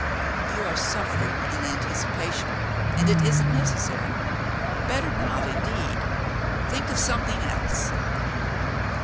"You are suffering in anticipation, and it isn't necessary. Better not, indeed. Think of something else."